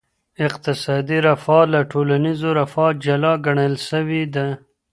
اقتصادي رفاه له ټولنیزې رفاه جلا ګڼل سوي ده.